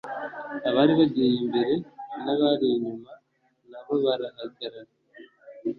abari bagiye imbere n'abari inyuma na bo barahagarara,